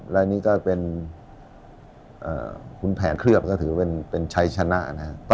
และนี่ก็เป็นคุณแผนเคลือบก็ถือเป็นชัยชนะนะครับ